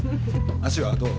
足はどう？